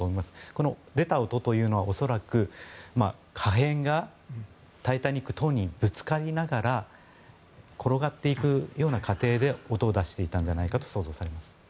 この出た音というのは恐らく破片が「タイタニック」等にぶつかりながら転がっていく過程で音を出していたんじゃないかと想像されます。